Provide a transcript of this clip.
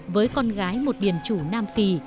với con gái một điền chủ nam kỳ